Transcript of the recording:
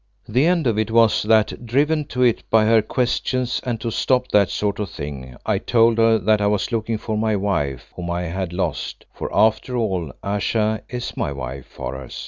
"The end of it was that, driven to it by her questions and to stop that sort of thing, I told her that I was looking for my wife, whom I had lost, for, after all, Ayesha is my wife, Horace.